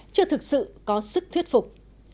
chưa thực sự có sức thuyết phục